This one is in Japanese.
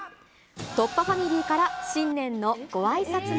突破ファミリーから新年のごあいさつも。